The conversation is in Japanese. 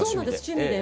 趣味で。